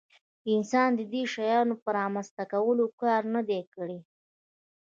انسان د دې شیانو په رامنځته کولو کار نه دی کړی.